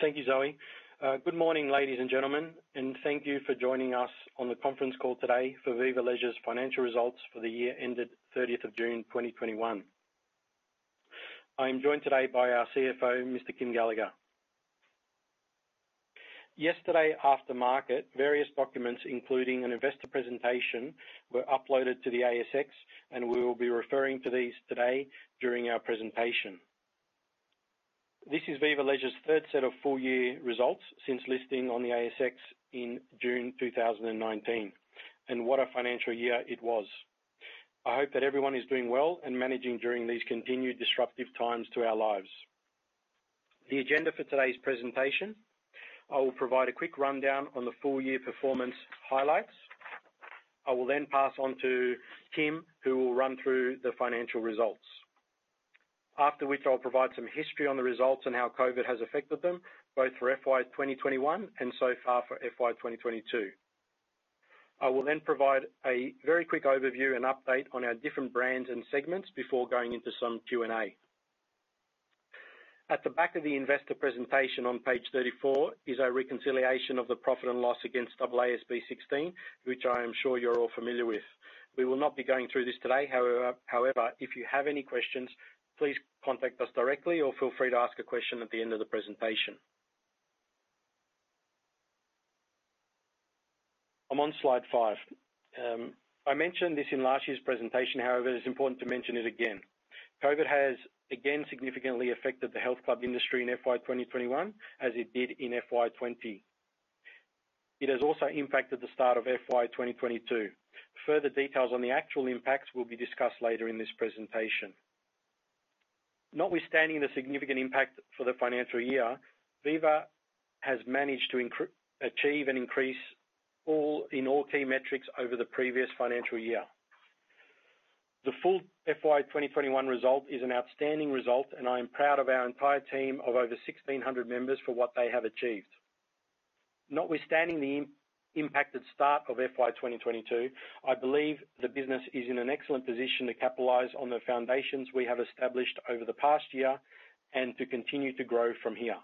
Thank you, Zoe. Good morning, ladies and gentlemen, and thank you for joining us on the conference call today for Viva Leisure's financial results for the year ended 30th of June 2021. I am joined today by our Chief Financial Officer, Mr. Kym Gallagher. Yesterday, after market, various documents, including an investor presentation, were uploaded to the ASX. We will be referring to these today during our presentation. This is Viva Leisure's third set of full-year results since listing on the ASX in June 2019. What a financial year it was. I hope that everyone is doing well and managing during these continued disruptive times to our lives. The agenda for today's presentation, I will provide a quick rundown on the full-year performance highlights. I will then pass on to Kym, who will run through the financial results. After which, I'll provide some history on the results and how COVID has affected them, both for FY 2021 and so far for FY 2022. I will then provide a very quick overview and update on our different brands and segments before going into some Q&A. At the back of the investor presentation on page 34 is our reconciliation of the profit and loss against AASB 16, which I am sure you're all familiar with. We will not be going through this today. If you have any questions, please contact us directly or feel free to ask a question at the end of the presentation. I'm on slide five. I mentioned this in last year's presentation, however, it's important to mention it again. COVID has again significantly affected the health club industry in FY 2021, as it did in FY 2020. It has also impacted the start of FY 2022. Further details on the actual impacts will be discussed later in this presentation. Notwithstanding the significant impact for the financial year, Viva has managed to achieve an increase in all key metrics over the previous financial year. The full FY 2021 result is an outstanding result, and I am proud of our entire team of over 1,600 members for what they have achieved. Notwithstanding the impacted start of FY 2022, I believe the business is in an excellent position to capitalize on the foundations we have established over the past year and to continue to grow from here.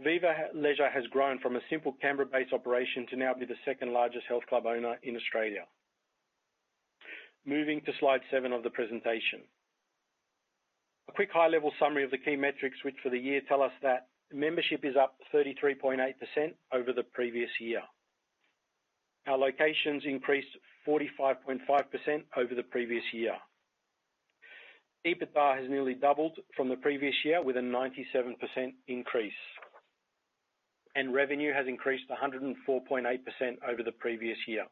Viva Leisure has grown from a simple Canberra-based operation to now be the second-largest health club owner in Australia. Moving to slide seven.of the presentation. A quick high-level summary of the key metrics, which for the year tell us that membership is up 33.8% over the previous year. Our locations increased 45.5% over the previous year. EBITDA has nearly doubled from the previous year with a 97% increase, and revenue has increased 104.8% over the previous year.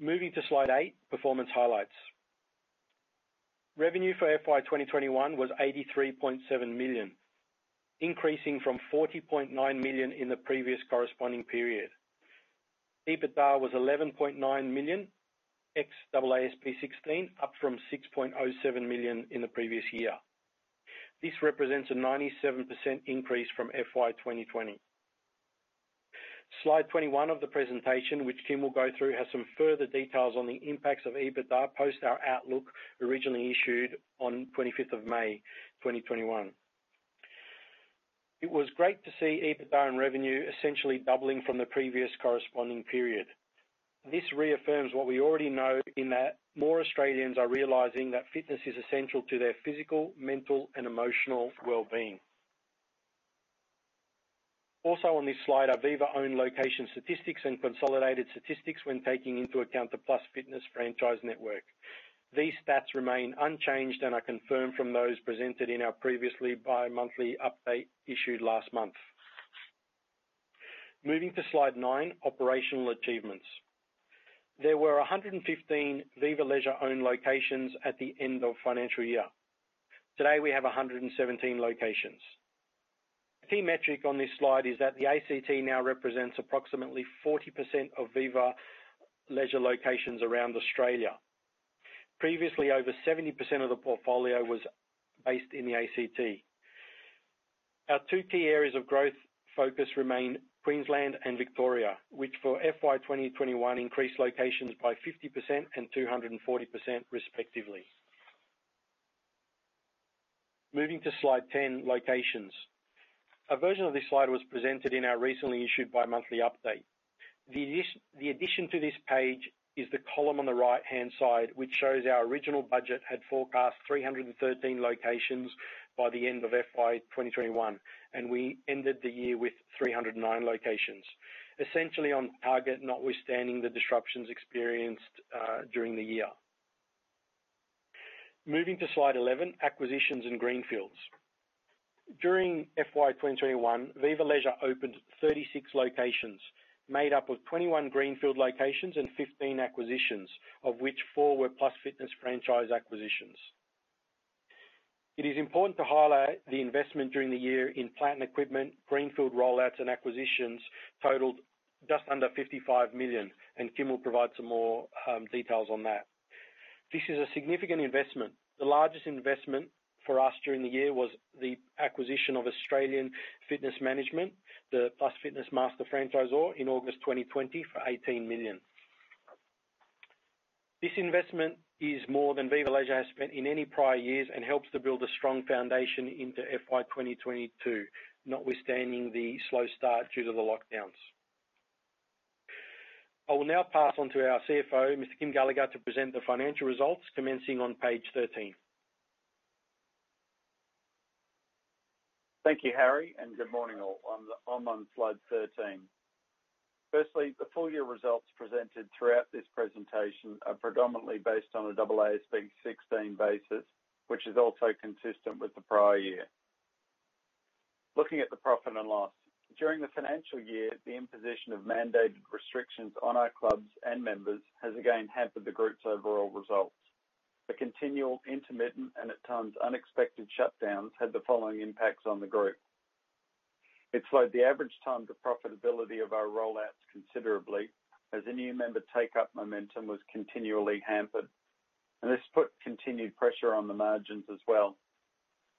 Moving to slide 8, performance highlights. Revenue for FY 2021 was 83.7 million, increasing from 40.9 million in the previous corresponding period. EBITDA was 11.9 million ex AASB 16, up from 6.07 million in the previous year. This represents a 97% increase from FY 2020. Slide 21 of the presentation, which Kym will go through, has some further details on the impacts of EBITDA post our outlook originally issued on 25th of May 2021. It was great to see EBITDA and revenue essentially doubling from the previous corresponding period. This reaffirms what we already know in that more Australians are realizing that fitness is essential to their physical, mental, and emotional well-being. Also on this slide are Viva-owned location statistics and consolidated statistics when taking into account the Plus Fitness franchise network. These stats remain unchanged and are confirmed from those presented in our previously bi-monthly update issued last month. Moving to slide nine, operational achievements. There were 115 Viva Leisure-owned locations at the end of financial year. Today, we have 117 locations. The key metric on this slide is that the Australian Capital Territory now represents approximately 40% of Viva Leisure locations around Australia. Previously, over 70% of the portfolio was based in the ACT. Our two key areas of growth focus remain Queensland and Victoria, which for FY 2021 increased locations by 50% and 240% respectively. Moving to slide 10, locations. A version of this slide was presented in our recently issued bi-monthly update. The addition to this page is the column on the right-hand side, which shows our original budget had forecast 313 locations by the end of FY 2021, and we ended the year with 309 locations. Essentially on target, notwithstanding the disruptions experienced during the year. Moving to slide 11, acquisitions and greenfields. During FY 2021, Viva Leisure opened 36 locations, made up of 21 greenfield locations and 15 acquisitions, of which four were Plus Fitness franchise acquisitions. It is important to highlight the investment during the year in plant and equipment, greenfield rollouts and acquisitions totaled just under 55 million, and Kym will provide some more details on that. This is a significant investment. The largest investment for us during the year was the acquisition of Australian Fitness Management, the Plus Fitness master franchisor, in August 2020 for 18 million. This investment is more than Viva Leisure has spent in any prior years and helps to build a strong foundation into FY 2022, notwithstanding the slow start due to the lockdowns. I will now pass on to our CFO, Mr. Kym Gallagher, to present the financial results commencing on page 13. Thank you, Harry, and good morning, all. I'm on slide 13. Firstly, the full-year results presented throughout this presentation are predominantly based on a AASB 16 basis, which is also consistent with the prior year. Looking at the profit and loss. During the financial year, the imposition of mandated restrictions on our clubs and members has again hampered the group's overall results. The continual intermittent, and at times, unexpected shutdowns had the following impacts on the group. It slowed the average time to profitability of our roll-outs considerably, as the new member take-up momentum was continually hampered, and this put continued pressure on the margins as well.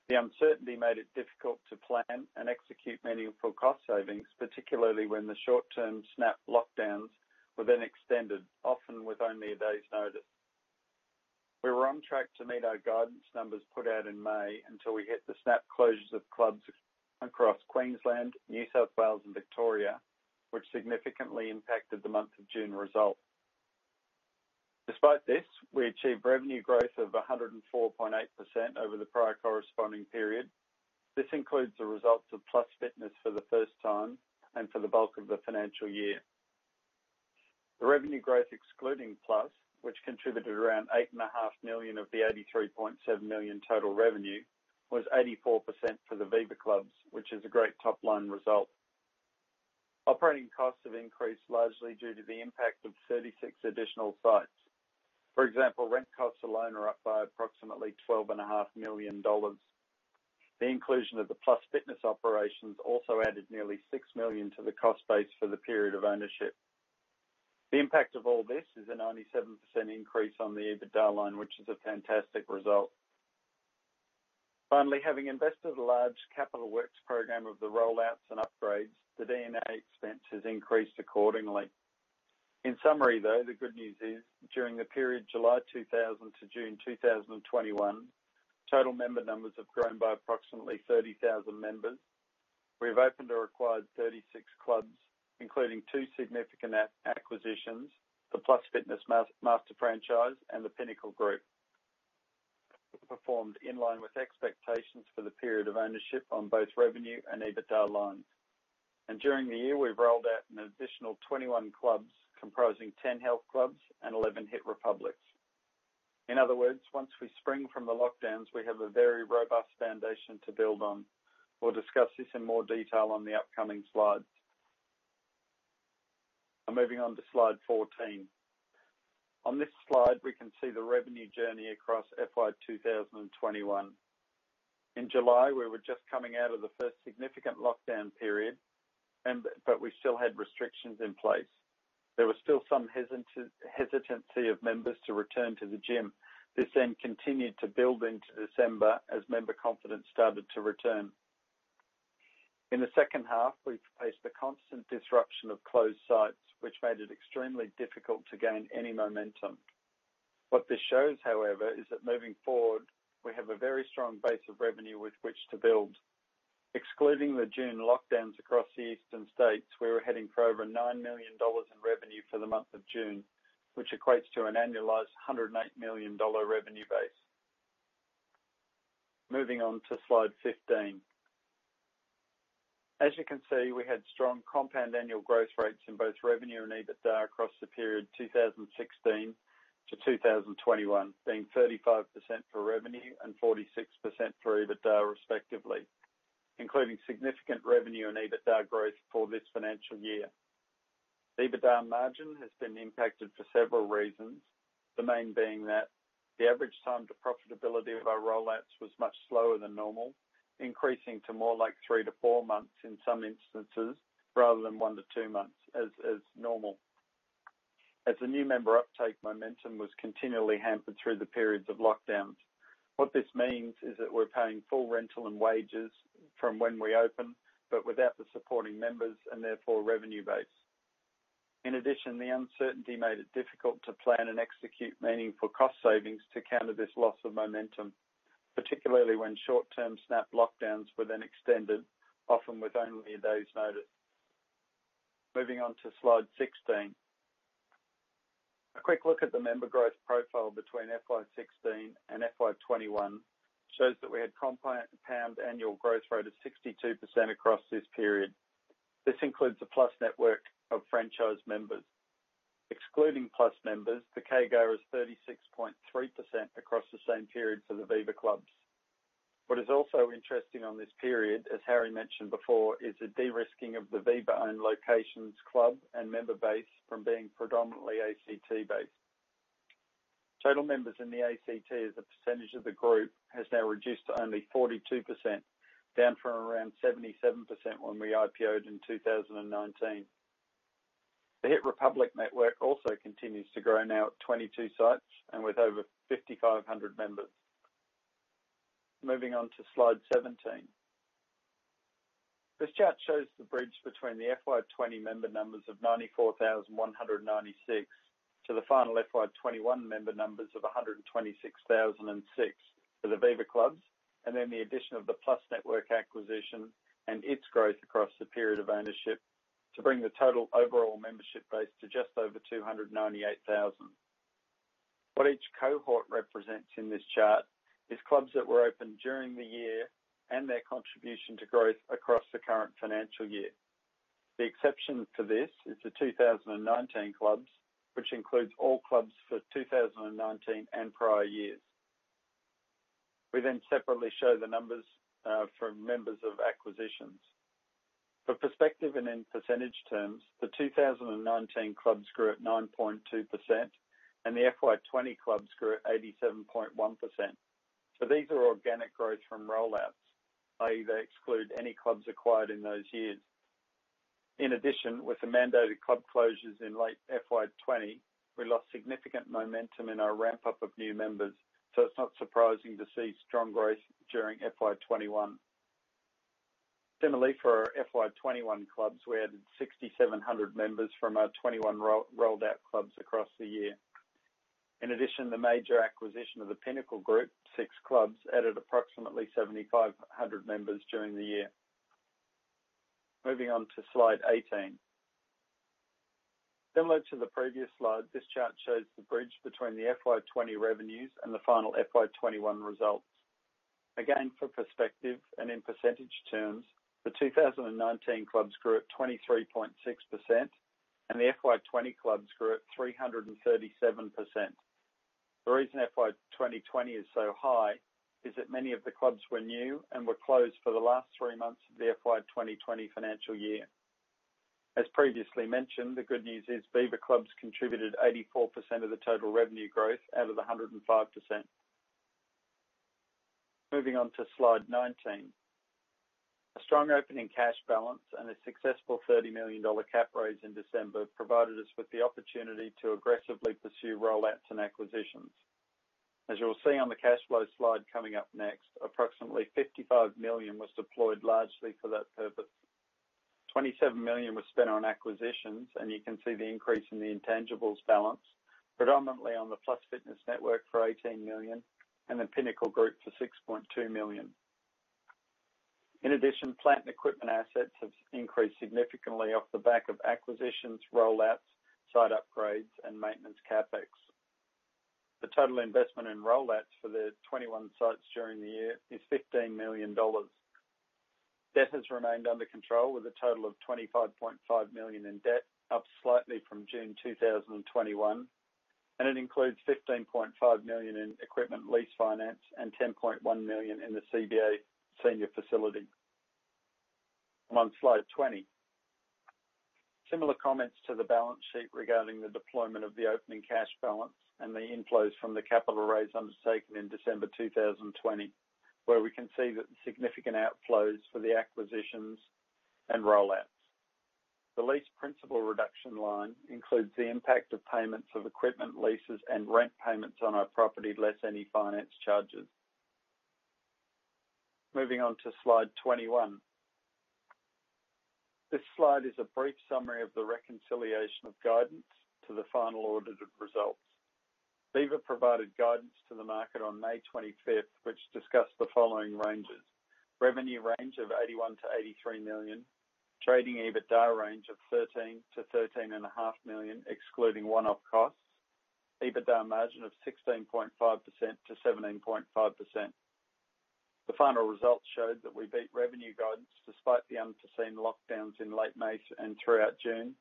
The uncertainty made it difficult to plan and execute meaningful cost savings, particularly when the short-term snap lockdowns were then extended, often with only a day's notice. We were on track to meet our guidance numbers put out in May until we hit the snap closures of clubs across Queensland, New South Wales, and Victoria, which significantly impacted the month of June result. Despite this, we achieved revenue growth of 104.8% over the prior corresponding period. This includes the results of Plus Fitness for the first time and for the bulk of the financial year. The revenue growth excluding Plus, which contributed around 8.5 million of the 83.7 million total revenue, was 84% for the Viva clubs, which is a great top-line result. Operating costs have increased largely due to the impact of 36 additional sites. For example, rent costs alone are up by approximately 12.5 million dollars. The inclusion of the Plus Fitness operations also added nearly 6 million to the cost base for the period of ownership. The impact of all this is a 97% increase on the EBITDA line, which is a fantastic result. Finally, having invested a large capital works program of the roll-outs and upgrades, the Depreciation and Amortization expense has increased accordingly. In summary, though, the good news is, during the period July 2000 to June 2021, total member numbers have grown by approximately 30,000 members. We have opened or acquired 36 clubs, including two significant acquisitions, the Plus Fitness master franchise and the Pinnacle Group. Performed in line with expectations for the period of ownership on both revenue and EBITDA lines. During the year, we've rolled out an additional 21 clubs, comprising 10 health clubs and 11 hiit republic. In other words, once we spring from the lockdowns, we have a very robust foundation to build on. We'll discuss this in more detail on the upcoming slides. I'm moving on to slide 14. On this slide, we can see the revenue journey across FY 2021. In July, we were just coming out of the first significant lockdown period, but we still had restrictions in place. There was still some hesitancy of members to return to the gym. This continued to build into December as member confidence started to return. In the second half, we faced the constant disruption of closed sites, which made it extremely difficult to gain any momentum. What this shows, however, is that moving forward, we have a very strong base of revenue with which to build. Excluding the June lockdowns across the eastern states, we were heading for over 9 million dollars in revenue for the month of June, which equates to an annualized 108 million dollar revenue base. Moving on to slide 15. As you can see, we had strong compound annual growth rates in both revenue and EBITDA across the period 2016 to 2021, being 35% for revenue and 46% for EBITDA, respectively, including significant revenue and EBITDA growth for this financial year. The EBITDA margin has been impacted for several reasons, the main being that the average time to profitability of our roll-outs was much slower than normal, increasing to more like three to four months in some instances, rather than one to two months as normal. As the new member uptake momentum was continually hampered through the periods of lockdowns. What this means is that we're paying full rental and wages from when we open, but without the supporting members and therefore revenue base. In addition, the uncertainty made it difficult to plan and execute meaningful cost savings to counter this loss of momentum, particularly when short-term snap lockdowns were then extended, often with only one day's notice. Moving on to slide 16. A quick look at the member growth profile between FY 2016 and FY 2021 shows that we had compound annual growth rate of 62% across this period. This includes the Plus network of franchise members. Excluding Plus members, the Compound Annual Growth Rate is 36.3% across the same period for the Viva clubs. What is also interesting on this period, as Harry mentioned before, is the de-risking of the Viva-owned locations, club, and member base from being predominantly ACT-based. Total members in the ACT as a percentage of the group has now reduced to only 42%, down from around 77% when we Initial Public Offering in 2019. The hiit republic network also continues to grow, now at 22 sites and with over 5,500 members. Moving on to slide 17. This chart shows the bridge between the FY 2020 member numbers of 94,196 to the final FY 2021 member numbers of 126,006 for the Viva Leisure, and then the addition of the Plus Fitness acquisition and its growth across the period of ownership to bring the total overall membership base to just over 298,000. What each cohort represents in this chart is clubs that were open during the year and their contribution to growth across the current financial year. The exception to this is the 2019 clubs, which includes all clubs for 2019 and prior years. We separately show the numbers for members of acquisitions. For perspective and in percentage terms, the 2019 clubs grew at 9.2%, and the FY 2020 clubs grew at 87.1%. These are organic growth from roll-outs, i.e., they exclude any clubs acquired in those years. In addition, with the mandated club closures in late FY 2020, we lost significant momentum in our ramp-up of new members, so it's not surprising to see strong growth during FY 2021. Similarly, for our FY 2021 clubs, we added 6,700 members from our 21 rolled-out clubs across the year. In addition, the major acquisition of the Pinnacle Health Clubs, six clubs, added approximately 7,500 members during the year. Moving on to slide 18. Similar to the previous slide, this chart shows the bridge between the FY 2020 revenues and the final FY 2021 results. For perspective and in percentage terms, the 2019 clubs grew at 23.6%, and the FY 2020 clubs grew at 337%. The reason FY 2020 is so high is that many of the clubs were new and were closed for the last three months of the FY 2020 financial year. As previously mentioned, the good news is Viva Clubs contributed 84% of the total revenue growth out of the 105%. Moving on to slide 19. A strong opening cash balance and a successful 30 million dollar cap rise in December provided us with the opportunity to aggressively pursue roll-outs and acquisitions. As you will see on the cash flow slide coming up next, approximately 55 million was deployed largely for that purpose. 27 million was spent on acquisitions, and you can see the increase in the intangibles balance, predominantly on the Plus Fitness for 18 million and the Pinnacle Health Clubs for 6.2 million. In addition, plant and equipment assets have increased significantly off the back of acquisitions, roll-outs, site upgrades, and maintenance CapEx. The total investment in roll-outs for the 21 sites during the year is 15 million dollars. Debt has remained under control with a total of 25.5 million in debt, up slightly from June 2021, and it includes 15.5 million in equipment lease finance and 10.1 million in the Commonwealth Bank of Australia senior facility. I'm on slide 20. Similar comments to the balance sheet regarding the deployment of the opening cash balance and the inflows from the capital raise undertaken in December 2020, where we can see that the significant outflows for the acquisitions and roll-outs. The lease principal reduction line includes the impact of payments of equipment leases and rent payments on our property, less any finance charges. Moving on to slide 21. This slide is a brief summary of the reconciliation of guidance to the final audited results. Viva provided guidance to the market on May 25th, which discussed the following ranges: revenue range of 81 million-83 million, trading EBITDA range of 13 million-13.5 million excluding one-off costs, EBITDA margin of 16.5%-17.5%. The final results showed that we beat revenue guidance despite the unforeseen lockdowns in late May and throughout June.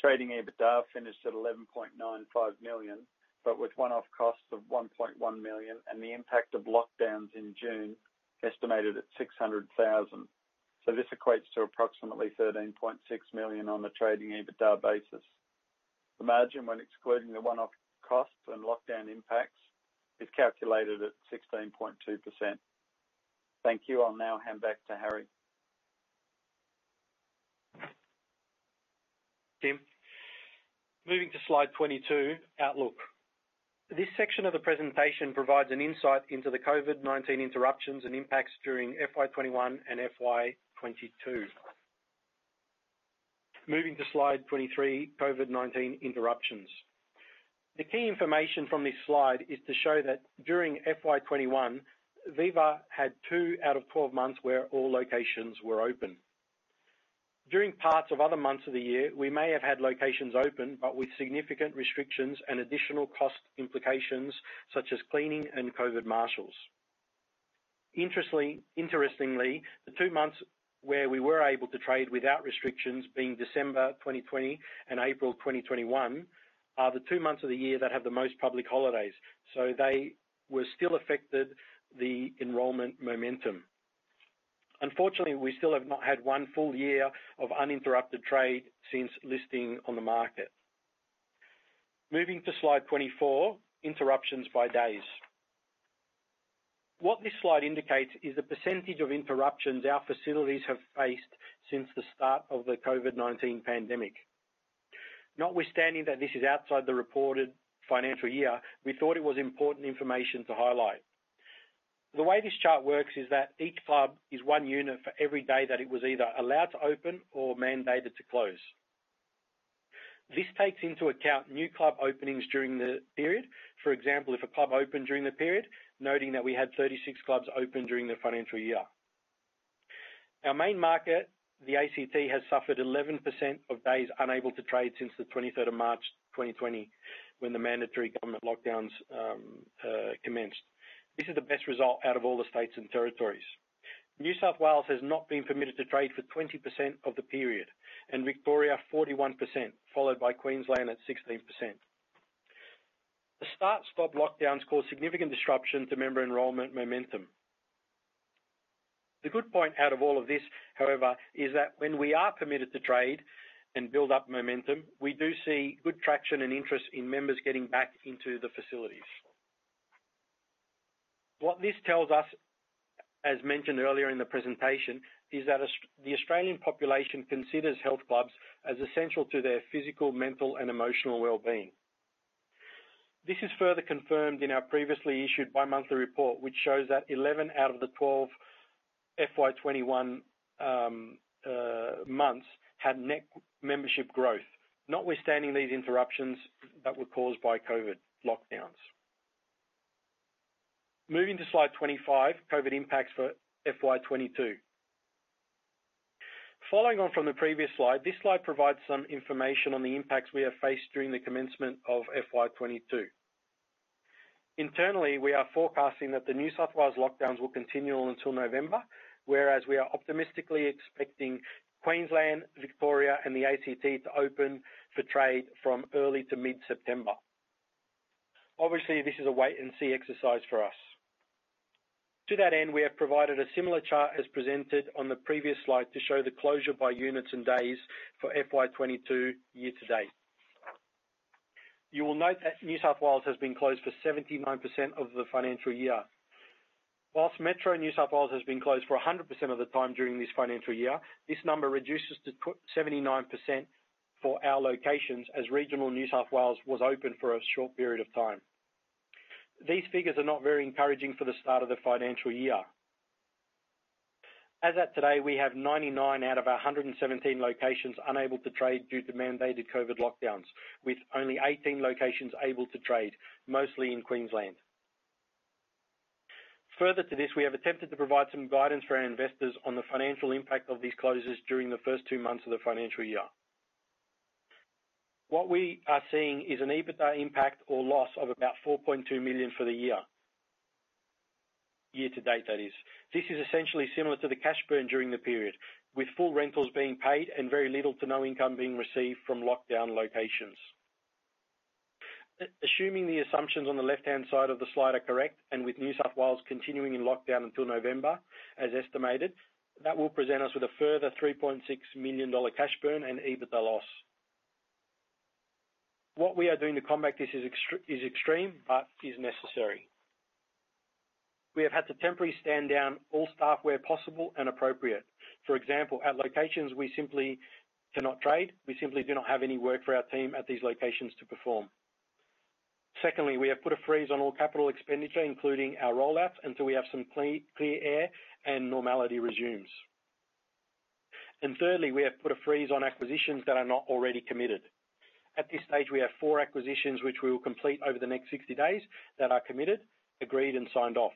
Trading EBITDA finished at 11.95 million, but with one-off costs of 1.1 million and the impact of lockdowns in June estimated at 600,000. This equates to approximately 13.6 million on a trading EBITDA basis. The margin when excluding the one-off costs and lockdown impacts is calculated at 16.2%. Thank you. I'll now hand back to Harry. Tim. Moving to slide 22, outlook. This section of the presentation provides an insight into the COVID-19 interruptions and impacts during FY 2021 and FY 2022. Moving to slide 23, COVID-19 interruptions. The key information from this slide is to show that during FY 2021, Viva had two out of 12 months where all locations were open. During parts of other months of the year, we may have had locations open, but with significant restrictions and additional cost implications, such as cleaning and COVID marshals. Interestingly, the two months where we were able to trade without restrictions being December 2020 and April 2021, are the two months of the year that have the most public holidays. They still affected the enrollment momentum. Unfortunately, we still have not had 1 full year of uninterrupted trade since listing on the market. Moving to slide 24, interruptions by days. What this slide indicates is the % of interruptions our facilities have faced since the start of the COVID-19 pandemic. Notwithstanding that this is outside the reported financial year, we thought it was important information to highlight. The way this chart works is that each club is one unit for every day that it was either allowed to open or mandated to close. This takes into account new club openings during the period. For example, if a club opened during the period, noting that we had 36 clubs open during the financial year. Our main market, the ACT, has suffered 11% of days unable to trade since the 23rd of March 2020, when the mandatory government lockdowns commenced. This is the best result out of all the states and territories. New South Wales has not been permitted to trade for 20% of the period, and Victoria 41%, followed by Queensland at 16%. The start-stop lockdowns caused significant disruption to member enrollment momentum. The good point out of all of this, however, is that when we are permitted to trade and build up momentum, we do see good traction and interest in members getting back into the facilities. What this tells us, as mentioned earlier in the presentation, is that the Australian population considers health clubs as essential to their physical, mental, and emotional well-being. This is further confirmed in our previously issued bi-monthly report, which shows that 11 out of the 12 FY 2021 months had net membership growth, notwithstanding these interruptions that were caused by COVID lockdowns. Moving to slide 25, COVID impacts for FY 2022. Following on from the previous slide, this slide provides some information on the impacts we have faced during the commencement of FY 2022. Internally, we are forecasting that the New South Wales lockdowns will continue until November, whereas we are optimistically expecting Queensland, Victoria, and the ACT to open for trade from early to mid-September. Obviously, this is a wait-and-see exercise for us. To that end, we have provided a similar chart as presented on the previous slide to show the closure by units and days for FY 2022 year to date. You will note that New South Wales has been closed for 79% of the financial year. Whilst Metro New South Wales has been closed for 100% of the time during this financial year, this number reduces to 79% for our locations, as regional New South Wales was open for a short period of time. These figures are not very encouraging for the start of the financial year. As at today, we have 99 out of 117 locations unable to trade due to mandated COVID-19 lockdowns, with only 18 locations able to trade, mostly in Queensland. Further to this, we have attempted to provide some guidance for our investors on the financial impact of these closures during the first two months of the financial year. What we are seeing is an EBITDA impact or loss of about 4.2 million for the year. Year to date, that is. This is essentially similar to the cash burn during the period, with full rentals being paid and very little to no income being received from lockdown locations. Assuming the assumptions on the left-hand side of the slide are correct, and with New South Wales continuing in lockdown until November, as estimated, that will present us with a further 3.6 million dollar cash burn and EBITDA loss. What we are doing to combat this is extreme but is necessary. We have had to temporarily stand down all staff where possible and appropriate. For example, at locations we simply cannot trade. We simply do not have any work for our team at these locations to perform. Secondly, we have put a freeze on all capital expenditure, including our rollouts, until we have some clear air and normality resumes. Thirdly, we have put a freeze on acquisitions that are not already committed. At this stage, we have four acquisitions which we will complete over the next 60 days that are committed, agreed, and signed off.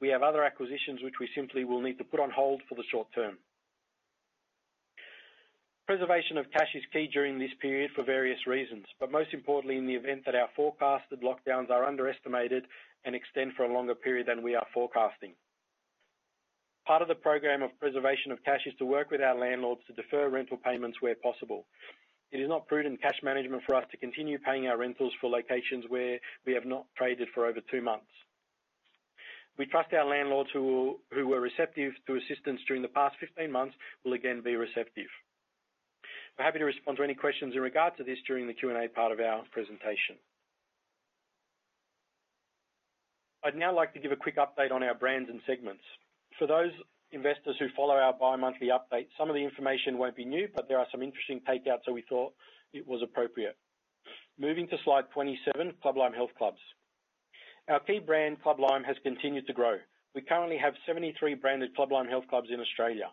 We have other acquisitions which we simply will need to put on hold for the short term. Preservation of cash is key during this period for various reasons, but most importantly, in the event that our forecasted lockdowns are underestimated and extend for a longer period than we are forecasting. Part of the program of preservation of cash is to work with our landlords to defer rental payments where possible. It is not prudent cash management for us to continue paying our rentals for locations where we have not traded for over two months. We trust our landlords who were receptive to assistance during the past 15 months will again be receptive. We're happy to respond to any questions in regard to this during the Q&A part of our presentation. I'd now like to give a quick update on our brands and segments. For those investors who follow our bi-monthly update, some of the information won't be new, but there are some interesting takeouts, so we thought it was appropriate. Moving to slide 27, Club Lime health clubs. Our key brand, Club Lime, has continued to grow. We currently have 73 branded Club Lime health clubs in Australia.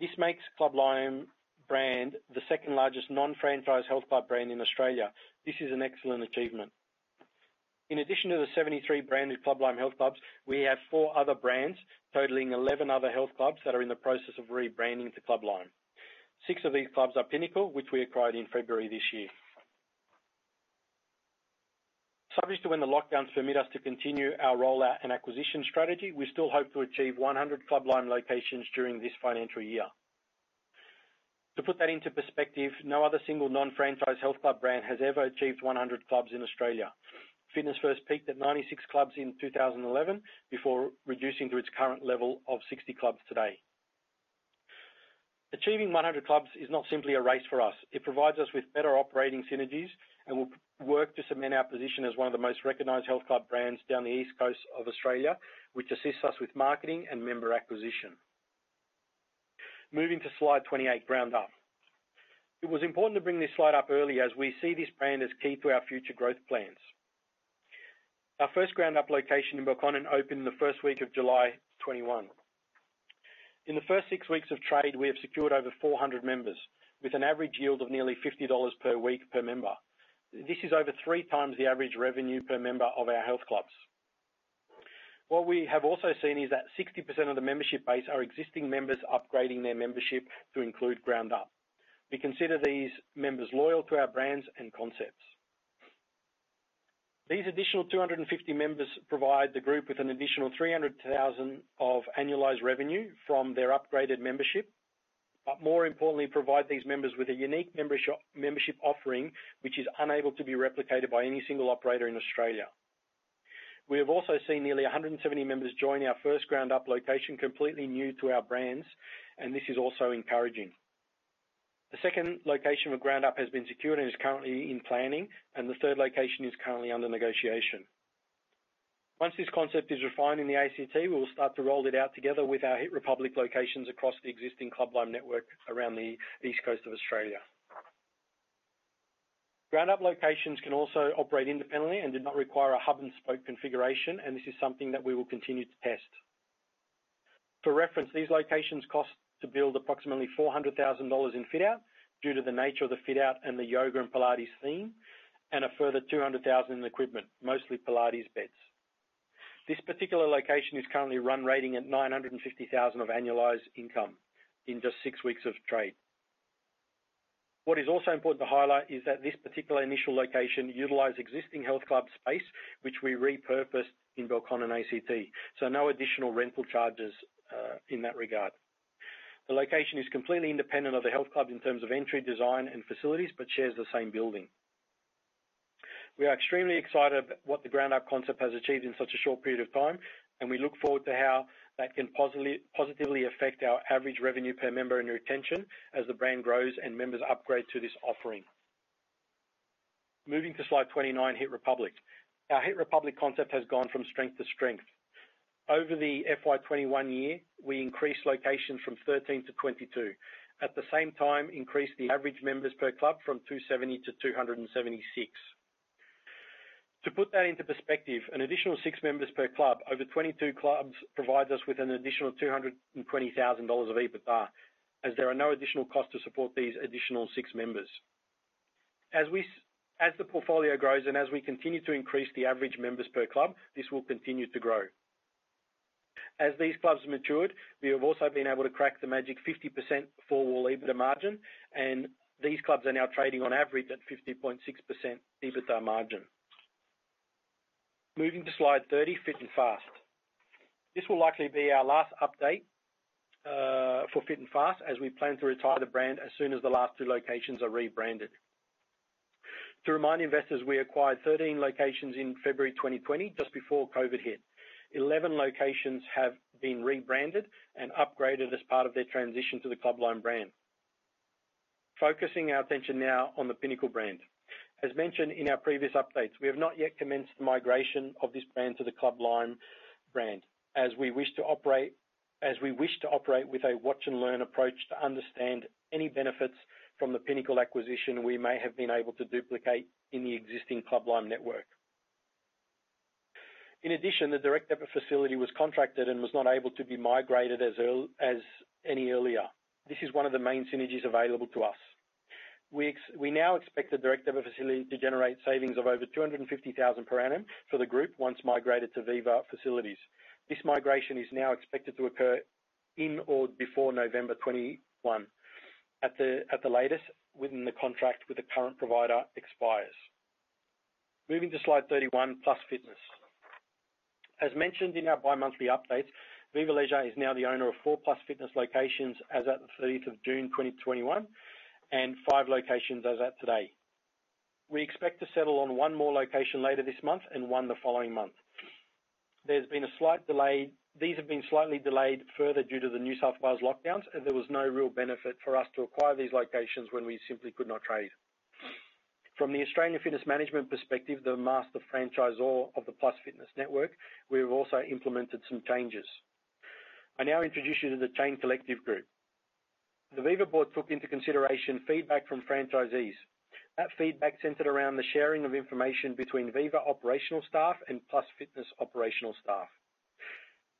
This makes Club Lime brand the second largest non-franchise health club brand in Australia. This is an excellent achievement. In addition to the 73 branded Club Lime health clubs, we have four other brands totaling 11 other health clubs that are in the process of rebranding to Club Lime. Six of these clubs are Pinnacle, which we acquired in February this year. Subject to when the lockdowns permit us to continue our rollout and acquisition strategy, we still hope to achieve 100 Club Lime locations during this financial year. To put that into perspective, no other single non-franchise health club brand has ever achieved 100 clubs in Australia. Fitness First peaked at 96 clubs in 2011 before reducing to its current level of 60 clubs today. Achieving 100 clubs is not simply a race for us. It provides us with better operating synergies and will work to cement our position as one of the most recognized health club brands down the East Coast of Australia, which assists us with marketing and member acquisition. Moving to slide 28, GROUNDUP. It was important to bring this slide up early as we see this brand as key to our future growth plans. Our first GROUNDUP location in Belconnen opened in the first week of July 2021. In the first six weeks of trade, we have secured over 400 members, with an average yield of nearly 50 dollars per week per member. This is over 3x the average revenue per member of our health clubs. What we have also seen is that 60% of the membership base are existing members upgrading their membership to include GROUNDUP. We consider these members loyal to our brands and concepts. These additional 250 members provide the group with an additional 300,000 of annualized revenue from their upgraded membership. More importantly, provide these members with a unique membership offering, which is unable to be replicated by any single operator in Australia. We have also seen nearly 170 members join our first GROUNDUP location, completely new to our brands, and this is also encouraging. The second location for GROUNDUP has been secured and is currently in planning, and the third location is currently under negotiation. Once this concept is refined in the ACT, we will start to roll it out together with our hiit republic locations across the existing Club Lime network around the east coast of Australia. GROUNDUP locations can also operate independently and do not require a hub-and-spoke configuration, and this is something that we will continue to test. For reference, these locations cost to build approximately 400,000 dollars in fit-out due to the nature of the fit-out and the yoga and Pilates theme, and a further 200,000 in equipment, mostly Pilates beds. This particular location is currently run rating at 950,000 of annualized income in just six weeks of trade. What is also important to highlight is that this particular initial location utilized existing health club space, which we repurposed in Belconnen ACT, so no additional rental charges in that regard. The location is completely independent of the health club in terms of entry, design, and facilities, but shares the same building. We are extremely excited what the GROUNDUP concept has achieved in such a short period of time, and we look forward to how that can positively affect our average revenue per member and retention as the brand grows and members upgrade to this offering. Moving to slide 29, hiit republic. Our hiit republic concept has gone from strength to strength. Over the FY 2021 year, we increased locations from 13-22. At the same time, increased the average members per club from 270-276. To put that into perspective, an additional six members per club over 22 clubs provides us with an additional 220,000 dollars of EBITDA, as there are no additional costs to support these additional six members. As the portfolio grows and as we continue to increase the average members per club, this will continue to grow. As these clubs matured, we have also been able to crack the magic 50% four-wall EBITDA margin, and these clubs are now trading on average at 50.6% EBITDA margin. Moving to slide 30, Fit n Fast. This will likely be our last update for Fit n Fast as we plan to retire the brand as soon as the last two locations are rebranded. To remind investors, we acquired 13 locations in February 2020, just before COVID hit. 11 locations have been rebranded and upgraded as part of their transition to the Club Lime brand. Focusing our attention now on the Pinnacle brand. As mentioned in our previous updates, we have not yet commenced the migration of this brand to the Club Lime brand, as we wish to operate with a watch-and-learn approach to understand any benefits from the Pinnacle acquisition we may have been able to duplicate in the existing Club Lime network. In addition, the Direct Debit facility was contracted and was not able to be migrated any earlier. This is one of the main synergies available to us. We now expect the Direct Debit facility to generate savings of over 250,000 per annum for the group once migrated to Viva facilities. This migration is now expected to occur in or before November 2021, at the latest within the contract with the current provider expires. Moving to slide 31, Plus Fitness. As mentioned in our bi-monthly updates, Viva Leisure is now the owner of four Plus Fitness locations as at the 30th of June 2021, and five locations as at today. We expect to settle on one more location later this month and one the following month. These have been slightly delayed further due to the New South Wales lockdowns. There was no real benefit for us to acquire these locations when we simply could not trade. From the Australian Fitness Management perspective, the master franchisor of the Plus Fitness network, we have also implemented some changes. I now introduce you to The Collective group. The Viva board took into consideration feedback from franchisees. That feedback centered around the sharing of information between Viva operational staff and Plus Fitness operational staff.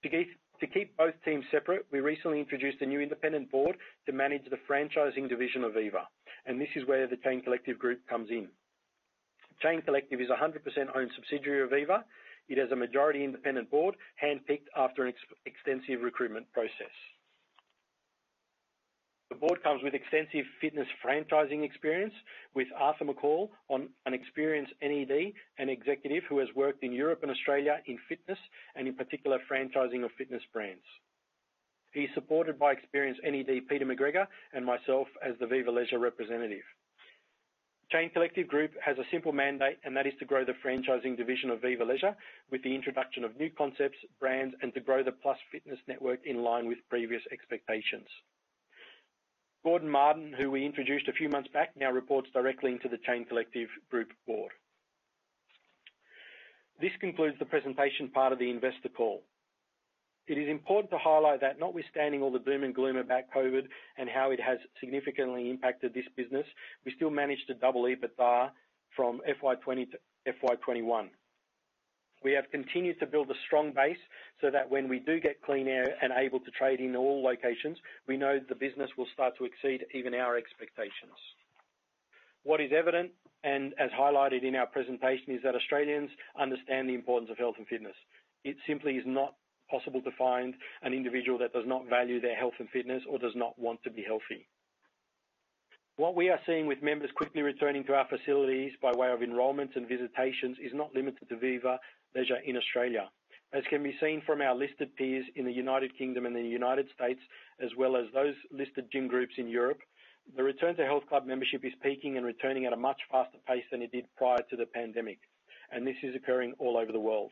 To keep both teams separate, we recently introduced a new independent board to manage the franchising division of Viva Leisure. This is where the Chain Collective group comes in. Chain Collective is 100% owned subsidiary of Viva Leisure. It has a majority independent board, handpicked after an extensive recruitment process. The board comes with extensive fitness franchising experience, with Arthur McColl, an experienced Non-Executive Director and executive who has worked in Europe and Australia in fitness, and in particular, franchising of fitness brands. He's supported by experienced NED Peter McGregor and myself as the Viva Leisure representative. Chain Collective group has a simple mandate. That is to grow the franchising division of Viva Leisure with the introduction of new concepts, brands, and to grow the Plus Fitness network in line with previous expectations. Gordon Martin, who we introduced a few months back, now reports directly into the Chain Collective group board. This concludes the presentation part of the investor call. It is important to highlight that notwithstanding all the doom and gloom about COVID and how it has significantly impacted this business, we still managed to double EBITDA from FY 2020 to FY 2021. We have continued to build a strong base so that when we do get clean air and able to trade in all locations, we know the business will start to exceed even our expectations. What is evident, and as highlighted in our presentation, is that Australians understand the importance of health and fitness. It simply is not possible to find an individual that does not value their health and fitness or does not want to be healthy. What we are seeing with members quickly returning to our facilities by way of enrollments and visitations is not limited to Viva Leisure in Australia. As can be seen from our listed peers in the United Kingdom and the United States, as well as those listed gym groups in Europe, the return to health club membership is peaking and returning at a much faster pace than it did prior to the pandemic. This is occurring all over the world.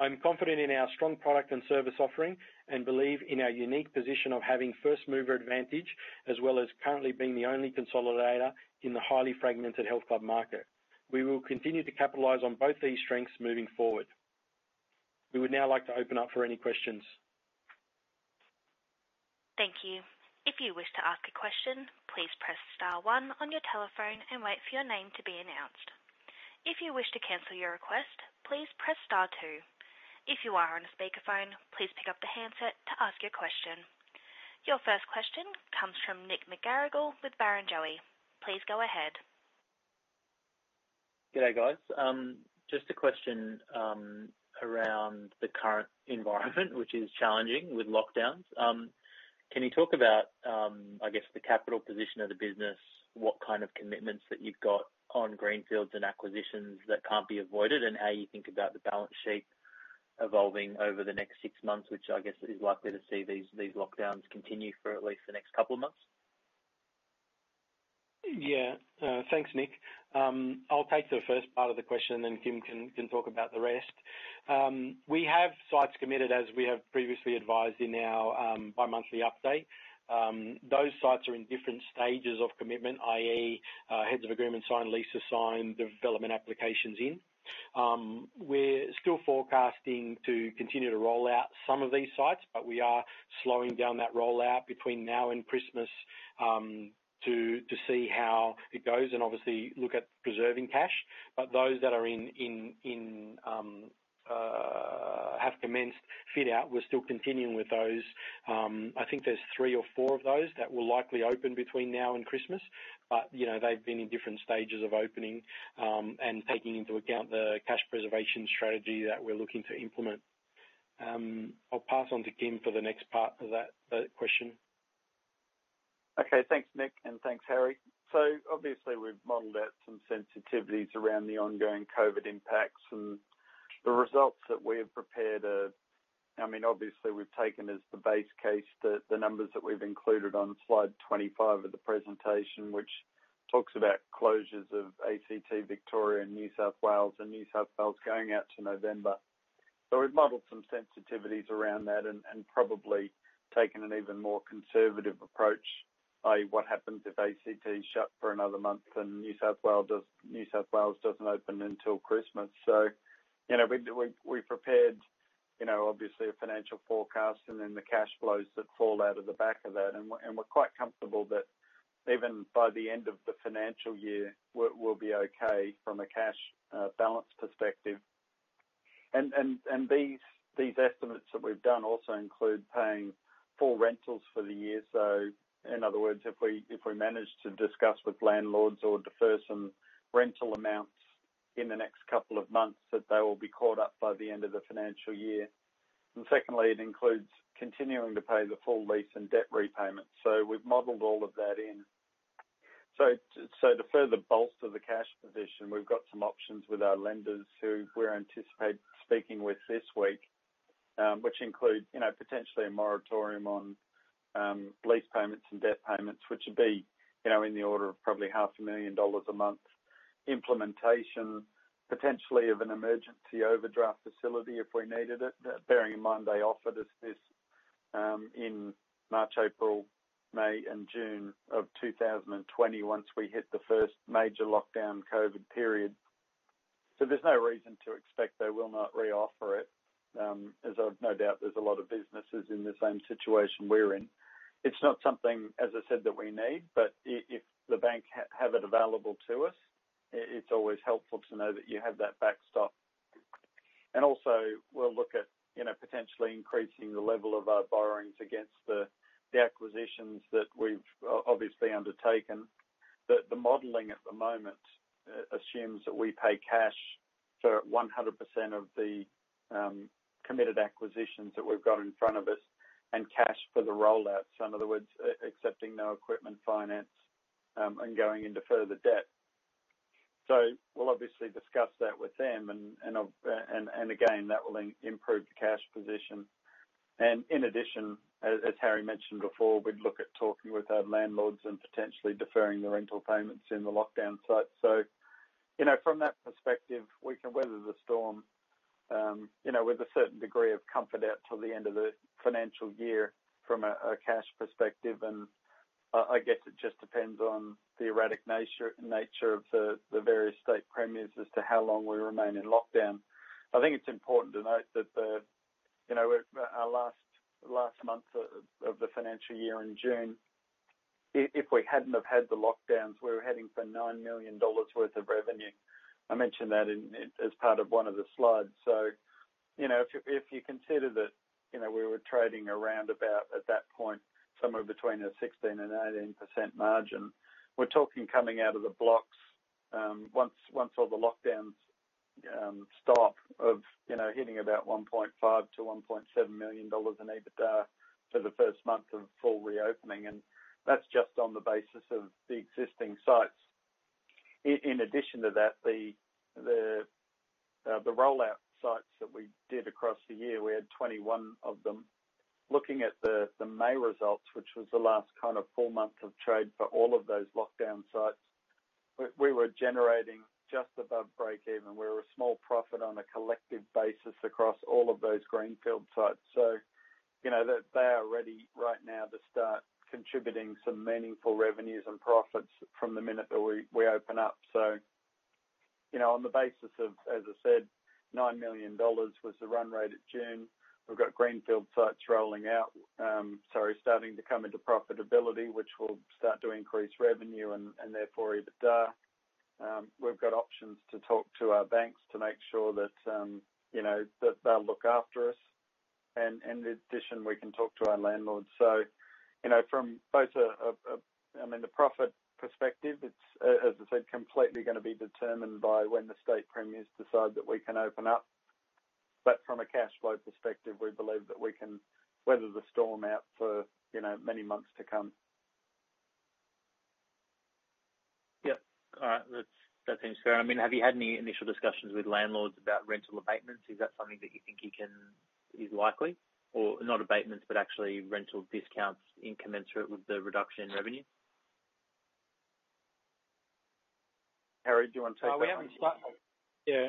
I'm confident in our strong product and service offering, and believe in our unique position of having first-mover advantage, as well as currently being the only consolidator in the highly fragmented health club market. We will continue to capitalize on both these strengths moving forward. We would now like to open up for any questions. Thank you. If you wish to ask a question, please press star one on your telephone and wait for your name to be announced. If you wish to cancel your request, please press star two. If you are on a speakerphone, please pick up the handset to ask your question. Your first question comes from Nick McGarrigle with Barrenjoey. Please go ahead. Good day, guys. Just a question around the current environment, which is challenging with lockdowns. Can you talk about, I guess, the capital position of the business, what kind of commitments that you've got on greenfields and acquisitions that can't be avoided, and how you think about the balance sheet evolving over the next six months, which I guess is likely to see these lockdowns continue for at least the next couple of months? Yeah. Thanks, Nick. I'll take the first part of the question. Kym can talk about the rest. We have sites committed, as we have previously advised in our bi-monthly update. Those sites are in different stages of commitment, i.e., heads of agreement signed, lease assigned, development applications in. We're still forecasting to continue to roll out some of these sites. We are slowing down that rollout between now and Christmas to see how it goes, and obviously look at preserving cash. Those that have commenced fit out, we're still continuing with those. I think there's three or four of those that will likely open between now and Christmas. They've been in different stages of opening, and taking into account the cash preservation strategy that we're looking to implement. I'll pass on to Kym for the next part of that question. Okay. Thanks, Nick, and thanks, Harry. Obviously, we've modeled out some sensitivities around the ongoing COVID impacts. The results that we have prepared. Obviously, we've taken as the base case the numbers that we've included on slide 25 of the presentation, which talks about closures of ACT, Victoria, and New South Wales, and New South Wales going out to November. We've modeled some sensitivities around that and probably taken an even more conservative approach. i.e., what happens if ACT is shut for another one month and New South Wales doesn't open until Christmas? We prepared, obviously, a financial forecast and then the cash flows that fall out of the back of that. We're quite comfortable that even by the end of the financial year, we'll be okay from a cash balance perspective. These estimates that we've done also include paying full rentals for the year. In other words, if we manage to discuss with landlords or defer some rental amounts in the next couple of months, that they will be caught up by the end of the financial year. Secondly, it includes continuing to pay the full lease and debt repayment. We've modeled all of that in. To further bolster the cash position, we've got some options with our lenders who we're anticipating speaking with this week, which include potentially a moratorium on lease payments and debt payments, which would be in the order of probably 0.5 million dollars a month. Implementation, potentially of an emergency overdraft facility if we needed it. Bearing in mind, they offered us this in March, April, May, and June of 2020 once we hit the first major lockdown COVID period. There's no reason to expect they will not re-offer it, as no doubt there's a lot of businesses in the same situation we're in. It's not something, as I said, that we need, but if the bank have it available to us, it's always helpful to know that you have that backstop. Also, we'll look at potentially increasing the level of our borrowings against the acquisitions that we've obviously undertaken. The modeling at the moment assumes that we pay cash for 100% of the committed acquisitions that we've got in front of us, and cash for the rollout. In other words, accepting no equipment finance and going into further debt. We'll obviously discuss that with them, and again, that will improve the cash position. In addition, as Harry mentioned before, we'd look at talking with our landlords and potentially deferring the rental payments in the lockdown site. From that perspective, we can weather the storm with a certain degree of comfort out till the end of the financial year from a cash perspective. I guess it just depends on the erratic nature of the various state premiers as to how long we remain in lockdown. I think it's important to note that our last month of the financial year in June, if we hadn't have had the lockdowns, we were heading for 9 million dollars worth of revenue. I mentioned that as part of one of the slides. If you consider that we were trading around about, at that point, somewhere between a 16%-18% margin. We're talking coming out of the blocks, once all the lockdowns stop, of hitting about 1.5 million-1.7 million dollars in EBITDA for the first month of full reopening. That's just on the basis of the existing sites. In addition to that, the rollout sites that we did across the year, we had 21 of them. Looking at the May results, which was the last full month of trade for all of those lockdown sites, we were generating just above break even. We're a small profit on a collective basis across all of those greenfield sites. They are ready right now to start contributing some meaningful revenues and profits from the minute that we open up. On the basis of, as I said, 9 million dollars was the run rate at June. We've got greenfield sites rolling out, sorry, starting to come into profitability, which will start to increase revenue and therefore EBITDA. We've got options to talk to our banks to make sure that they'll look after us. In addition, we can talk to our landlords. From both the profit perspective, it's, as I said, completely going to be determined by when the state premiers decide that we can open up. From a cash flow perspective, we believe that we can weather the storm out for many months to come. Yep. All right. That seems fair. Have you had any initial discussions with landlords about rental abatements? Is that something that you think is likely? Or not abatements, but actually rental discounts commensurate with the reduction in revenue? Harry, do you want to take that one?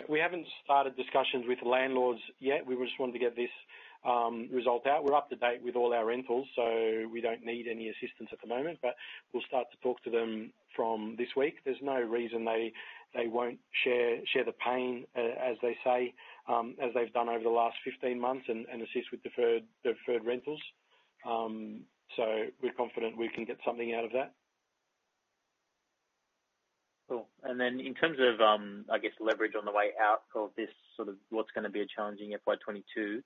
We haven't started discussions with landlords yet. We just wanted to get this result out. We're up to date with all our rentals, we don't need any assistance at the moment. We'll start to talk to them from this week. There's no reason they won't share the pain, as they say, as they've done over the last 15 months, and assist with deferred rentals. We're confident we can get something out of that. Cool. Then in terms of leverage on the way out of this, what's going to be a challenging FY 2022.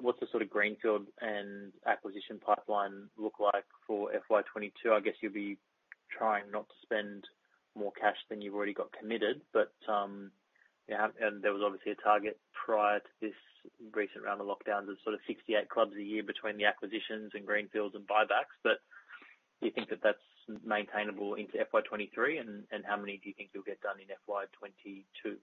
What's the sort of greenfield and acquisition pipeline look like for FY 2022? I guess you'll be trying not to spend more cash than you've already got committed. There was obviously a target prior to this recent round of lockdowns of 68 clubs a year between the acquisitions and greenfields and buybacks. Do you think that that's maintainable into FY 2023? How many do you think you'll get done in FY 2022?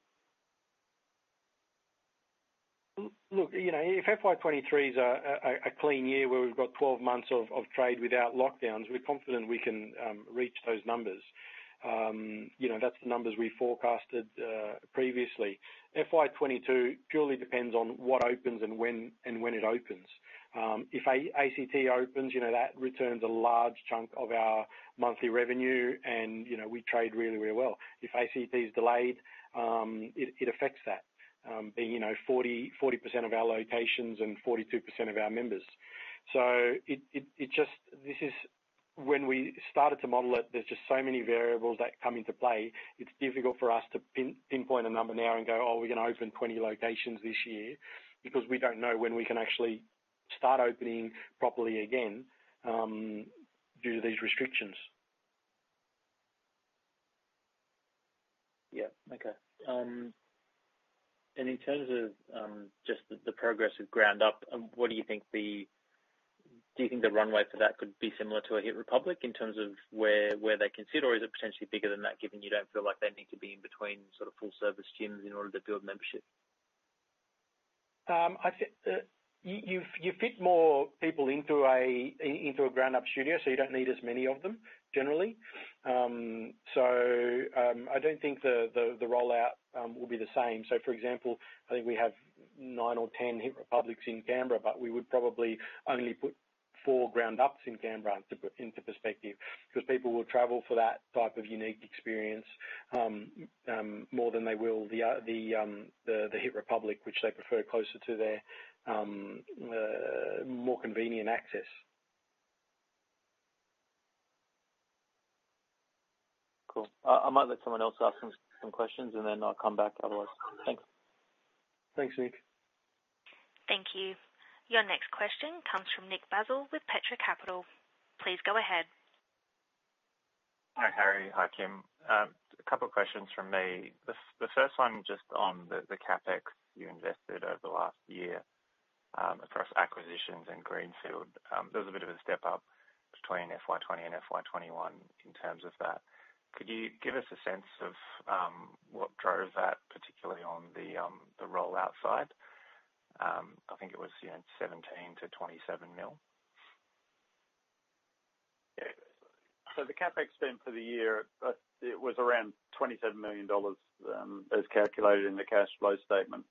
If FY 2023 is a clean year where we've got 12 months of trade without lockdowns, we're confident we can reach those numbers. That's the numbers we forecasted previously. FY 2022 purely depends on what opens and when it opens. If ACT opens, that returns a large chunk of our monthly revenue, and we trade really well. If ACT is delayed, it affects that, being 40% of our locations and 42% of our members. When we started to model it, there's just so many variables that come into play. It's difficult for us to pinpoint a number now and go, "Oh, we're going to open 20 locations this year," because we don't know when we can actually start opening properly again due to these restrictions. Yeah. Okay. In terms of just the progress of GROUNDUP, do you think the runway for that could be similar to a hiit republic in terms of where they consider, or is it potentially bigger than that, given you don't feel like they need to be in between sort of full-service gyms in order to build membership? You fit more people into a GROUNDUP studio, so you don't need as many of them generally. I don't think the rollout will be the same. For example, I think we have nine or 10 hiit republic in Canberra, but we would probably only put four GROUNDUPs in Canberra into perspective. People will travel for that type of unique experience more than they will the hiit republic, which they prefer closer to their more convenient access. Cool. I might let someone else ask some questions, and then I'll come back otherwise. Thanks. Thanks, Nick. Thank you. Your next question comes from Nick Basile with Petra Capital. Please go ahead. Hi, Harry. Hi, Kym. A couple of questions from me. The first one just on the CapEx you invested over the last year across acquisitions and greenfield. There was a bit of a step up between FY 2020 and FY 2021 in terms of that. Could you give us a sense of what drove that, particularly on the rollout side? I think it was 17 million-27 million. The CapEx spend for the year, it was around 27 million dollars as calculated in the cash flow statement.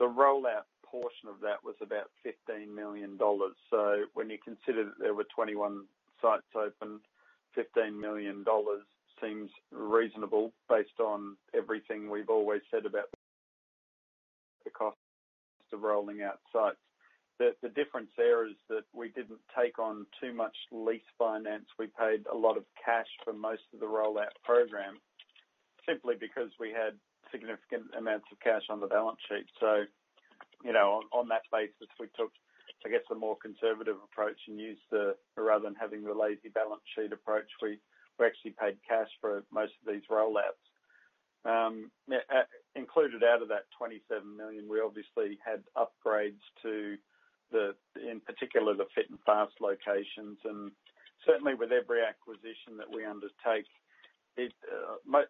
The rollout portion of that was about 15 million dollars. When you consider that there were 21 sites open, 15 million dollars seems reasonable based on everything we've always said about the cost of rolling out sites. The difference there is that we didn't take on too much lease finance. We paid a lot of cash for most of the rollout program simply because we had significant amounts of cash on the balance sheet. On that basis, we took, I guess, the more conservative approach and rather than having the lazy balance sheet approach, we actually paid cash for most of these rollouts. Included out of that 27 million, we obviously had upgrades, in particular, the Fit n Fast locations. Certainly with every acquisition that we undertake,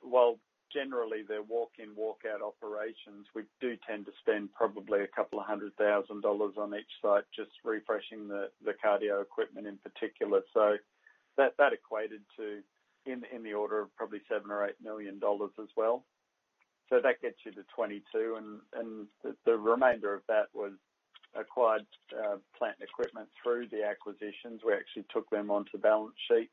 while generally they're walk-in walk-out operations, we do tend to spend probably 200,000 dollars on each site just refreshing the cardio equipment in particular. That equated to in the order of probably 7 million or 8 million dollars as well. That gets you to 22 million, and the remainder of that was acquired plant equipment through the acquisitions. We actually took them onto the balance sheet.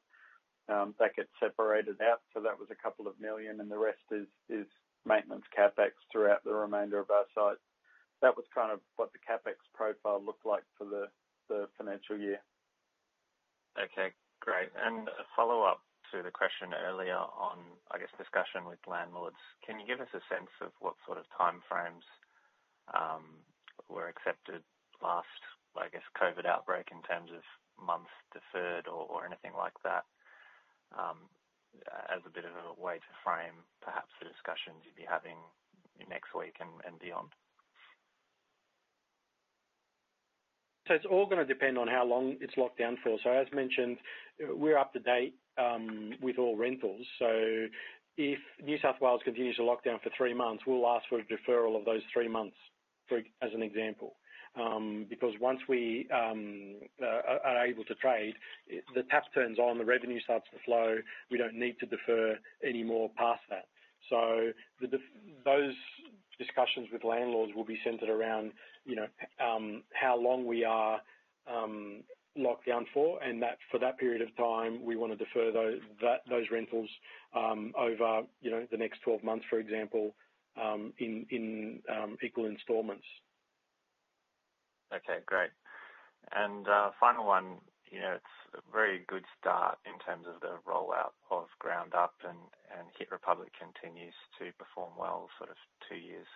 That gets separated out. That was 2 million, and the rest is maintenance CapEx throughout the remainder of our sites. That was kind of what the CapEx profile looked like for the financial year. Okay, great. A follow-up to the question earlier on, I guess, discussion with landlords. Can you give us a sense of what sort of time frames were accepted last, I guess, COVID outbreak in terms of months deferred or anything like that? As a bit of a way to frame perhaps the discussions you would be having next week and beyond. It's all going to depend on how long it's locked down for. As mentioned, we're up to date with all rentals. If New South Wales continues to lock down for three months, we'll ask for a deferral of those three months as an example. Once we are able to trade, the tap turns on, the revenue starts to flow. We don't need to defer any more past that. Those discussions with landlords will be centered around how long we are locked down for, and for that period of time, we want to defer those rentals over the next 12 months, for example, in equal installments. Okay, great. Final one. It's a very good start in terms of the rollout of GROUNDUP, and hiit republic continues to perform well sort of two years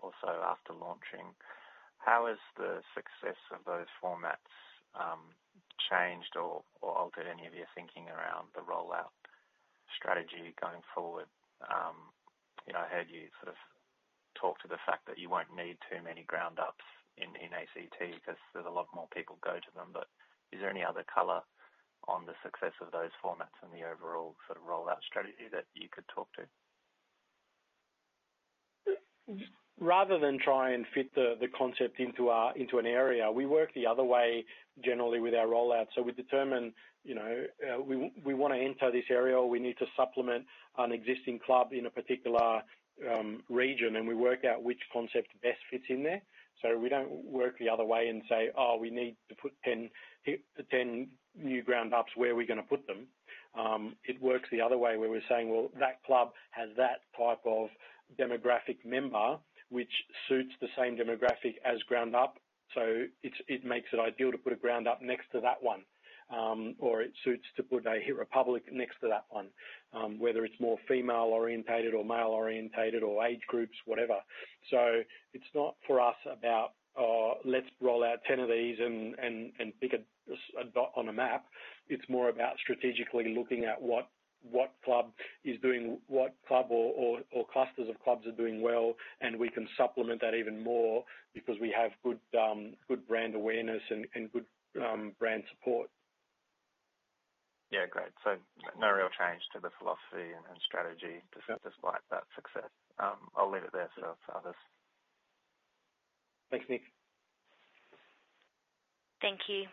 or so after launching. How has the success of those formats changed or altered any of your thinking around the rollout strategy going forward? I heard you sort of talk to the fact that you won't need too many GROUNDUPs in ACT because there's a lot more people go to them. Is there any other color on the success of those formats and the overall sort of rollout strategy that you could talk to? Rather than try and fit the concept into an area, we work the other way generally with our rollout. We determine we want to enter this area, or we need to supplement an existing club in a particular region, and we work out which concept best fits in there. We don't work the other way and say, "Oh, we need to put 10 new GROUNDUPs. Where are we going to put them?" It works the other way, where we're saying, "Well, that club has that type of demographic member which suits the same demographic as GROUNDUP." It makes it ideal to put a GROUNDUP next to that one. It suits to put a hiit republic next to that one. Whether it's more female-orientated or male-orientated or age groups, whatever. It's not for us about, "Oh, let's roll out 10 of these and pick a dot on a map." It's more about strategically looking at what club or clusters of clubs are doing well, and we can supplement that even more because we have good brand awareness and good brand support. Yeah, great. No real change to the philosophy and strategy despite that success. I'll leave it there so for others. Thanks, Nick. Thank you.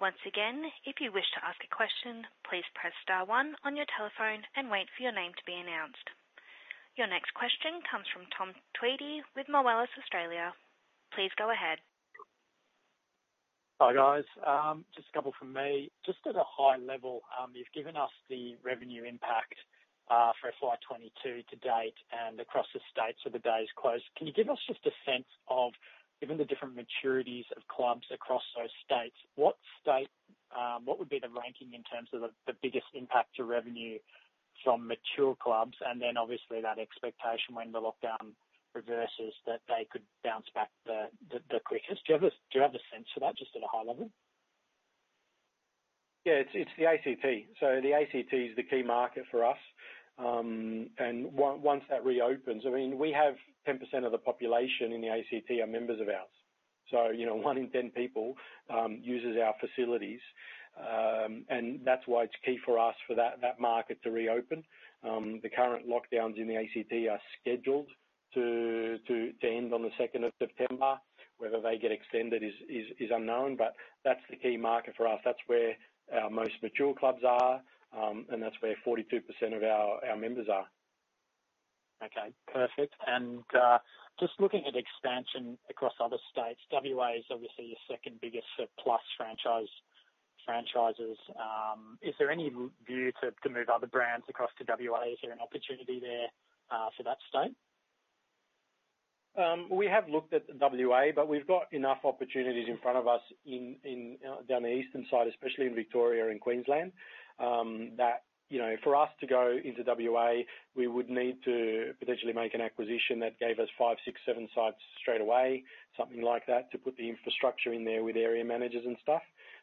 Once again, if you wish to ask a question, please press star one on your telephone and wait for your name to be announced. Your next question comes from James Redfern with Moelis Australia. Please go ahead. Hi, guys. Just two from me. Just at a high level, you've given us the revenue impact for FY 2022 to date and across the states for the days closed. Can you give us just a sense of, given the different maturities of clubs across those states, what would be the ranking in terms of the biggest impact to revenue from mature clubs? Obviously that expectation when the lockdown reverses that they could bounce back the quickest. Do you have a sense for that just at a high level? Yeah. It's the ACT. The ACT is the key market for us. Once that reopens. I mean, we have 10% of the population in the ACT are members of ours. One in 10 people uses our facilities. That's why it's key for us for that market to reopen. The current lockdowns in the ACT are scheduled to end on the 2nd of September. Whether they get extended is unknown, but that's the key market for us. That's where our most mature clubs are, and that's where 42% of our members are. Okay, perfect. Just looking at expansion across other states, W.A. is obviously your second-biggest Plus Fitness franchises. Is there any view to move other brands across to W.A.? Is there an opportunity there for that state? We have looked at W.A., but we've got enough opportunities in front of us down the eastern side, especially in Victoria and Queensland, that for us to go into W.A., we would need to potentially make an acquisition that gave us five, six, seven sites straight away, something like that, to put the infrastructure in there with area managers and stuff.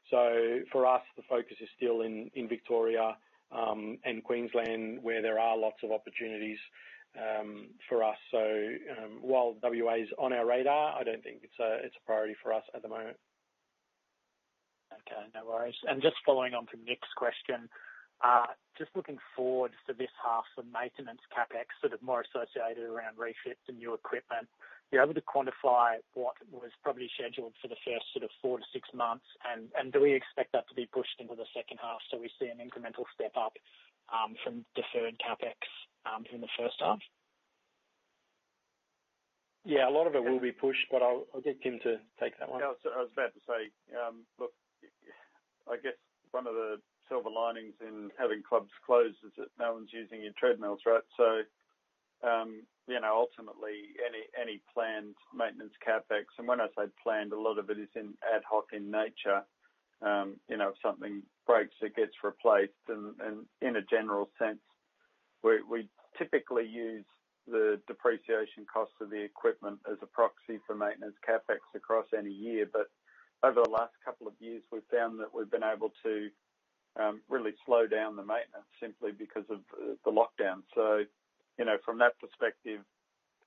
For us, the focus is still in Victoria and Queensland, where there are lots of opportunities for us. While W.A. is on our radar, I don't think it's a priority for us at the moment. Okay, no worries. Just following on from Nick's question, just looking forward to this half of maintenance CapEx, more associated around refits and new equipment, are you able to quantify what was probably scheduled for the first four to six months? Do we expect that to be pushed into the second half, so we see an incremental step-up from deferred CapEx in the first half? Yeah. A lot of it will be pushed, but I'll get Kym to take that one. Yeah. I was about to say. Look, I guess one of the silver linings in having clubs closed is that no one's using your treadmills, right? Ultimately, any planned maintenance CapEx, and when I say planned, a lot of it is ad hoc in nature. If something breaks, it gets replaced. In a general sense, we typically use the depreciation cost of the equipment as a proxy for maintenance CapEx across any year. Over the last couple of years, we've found that we've been able to really slow down the maintenance simply because of the lockdown. From that perspective,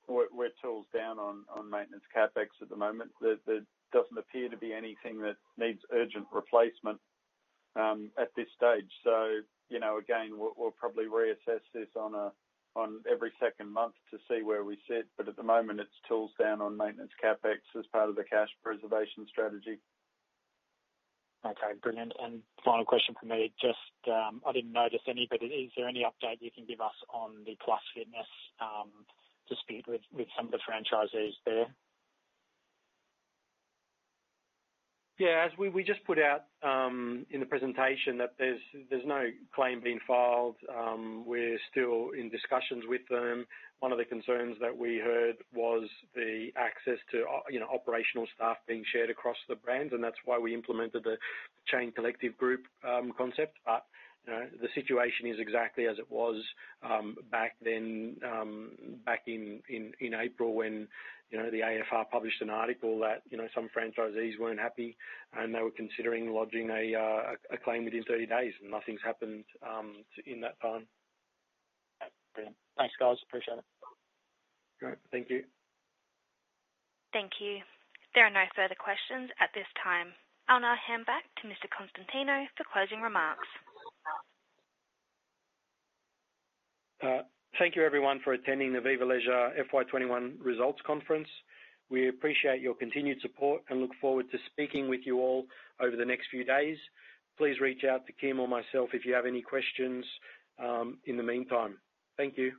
we're tools down on maintenance CapEx at the moment. There doesn't appear to be anything that needs urgent replacement at this stage. Again, we'll probably reassess this on every second month to see where we sit. At the moment, it's tools down on maintenance CapEx as part of the cash preservation strategy. Okay, brilliant. Final question from me, I didn't notice any, but is there any update you can give us on the Plus Fitness dispute with some of the franchisees there? Yeah. As we just put out in the presentation, there's no claim being filed. We're still in discussions with them. One of the concerns that we heard was the access to operational staff being shared across the brands, and that's why we implemented the chain collective group concept. The situation is exactly as it was back in April when the Australian Financial Review published an article that some franchisees weren't happy, and they were considering lodging a claim within 30 days, and nothing's happened in that time. Brilliant. Thanks, guys. Appreciate it. Great. Thank you. Thank you. There are no further questions at this time. I'll now hand back to Mr. Konstantinou for closing remarks. Thank you everyone for attending the Viva Leisure FY 2021 results conference. We appreciate your continued support and look forward to speaking with you all over the next few days. Please reach out to Kym or myself if you have any questions in the meantime. Thank you.